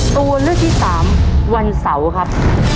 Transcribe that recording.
ตัวเลือกที่สามวันเสาร์ครับ